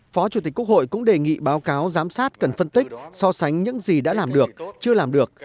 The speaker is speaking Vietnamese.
phó chủ tịch quốc hội cũng đề nghị báo cáo giám sát cần phân tích so sánh những gì đã làm được chưa làm được